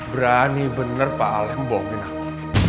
berani bener pak alem bomin aku